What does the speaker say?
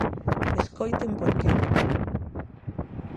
Escoiten por que.